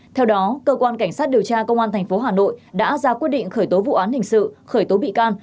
theo đó cơ quan cảnh sát điều tra công an tp hà nội đã ra quyết định khởi tố vụ án hình sự khởi tố bị can